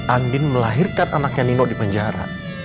andin melahirkan anaknya nino di penjara